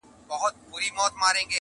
ته به وایې نې خپلوان نه یې سیالان دي,